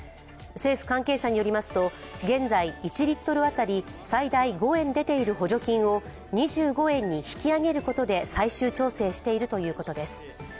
政府関係者によりますと、現在１リットル当たり最大５円出ている補助金を２５円に引き上げるこで最終調整しているということです。